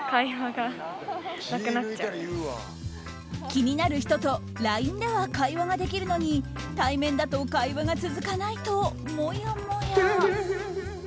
気になる人とＬＩＮＥでは会話ができるのに対面だと会話が続かないともやもや。